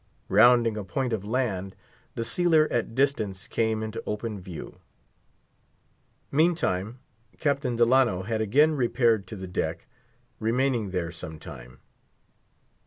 Sounding a point of land, the sealer at distance came into open view. Meantime Captain Delano had again repaired to the deck, remaining there some time.